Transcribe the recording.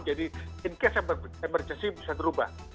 jadi in case yang emergency bisa dirubah